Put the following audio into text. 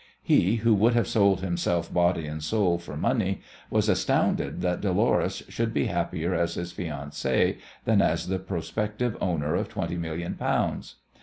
He, who would have sold himself body and soul for money, was astounded that Dolores should be happier as his fiancée than as the prospective owner of twenty million pounds.